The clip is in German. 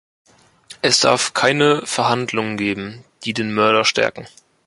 Es darf keine Verhandlungen geben, die den Mörder stärken.